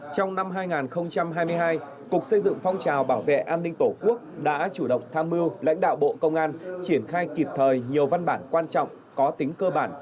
trong năm hai nghìn hai mươi hai cục xây dựng phong trào bảo vệ an ninh tổ quốc đã chủ động tham mưu lãnh đạo bộ công an triển khai kịp thời nhiều văn bản quan trọng có tính cơ bản